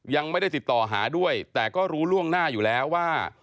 ยังไม่ได้ติดต่อหาด้วยแต่ก็รู้ล่วงหน้าอยู่แล้วว่า